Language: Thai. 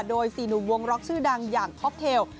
โดยศีลวงร็อกชื่อดังอย่างวงค็อกเทล